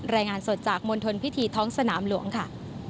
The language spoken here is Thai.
รายงานสดจากมณฑลพิธีท้องสนามหลวงค่ะ